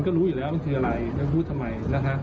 ก็รู้อยู่แล้วมันคืออะไรไม่รู้ทำไมนะฮะ